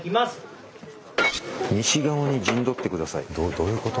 どういうこと？